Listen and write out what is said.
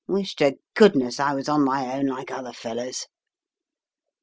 Wish to goodness I was on my own, like other fellows."